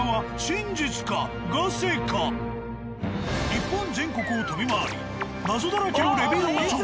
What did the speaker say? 日本全国を飛び回り謎だらけのレビューを調査。